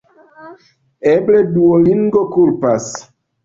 Eble Duolingo kulpas.